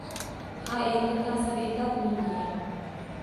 Ha, endi ta’sir etadi mengayam